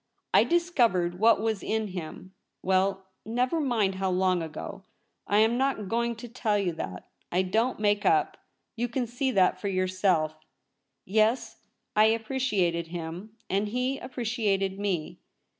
' I discovered what was in him — well, never mind how long ago. I am not going to tell you that ; I don't make up ; you can see that for yourself Yes ; I appreciated him, and he appreciated me.